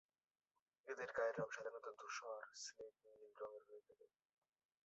এদের গায়ের রং সাধারণত স্লেট-ধূসর বা নীলচে রঙের হয়ে থাকে।